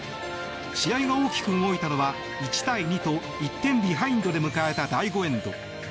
試合が大きく動いたのは１対２と１点ビハインドで迎えた第５エンド。